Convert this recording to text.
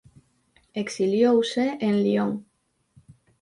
Exiliouse en Lión.